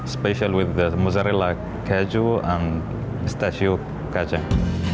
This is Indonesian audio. spesial dengan mozarella keju dan stasiun kacang